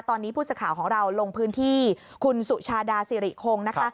ตอนนี้ผู้สื่อข่าวของเราลงพื้นที่คุณสุชาดาสิริคงนะคะ